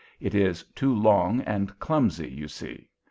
It is too long and clumsy, you see.